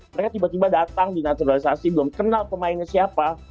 mereka tiba tiba datang di naturalisasi belum kenal pemainnya siapa